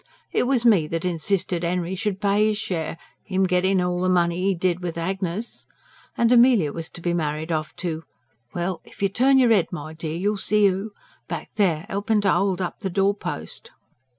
"It was me that insisted Henry should pay his share him getting all the money 'e did with Agnes." And Amelia was to be married off to "Well, if you turn your head, my dear, you'll see who. Back there, helping to hold up the doorpost."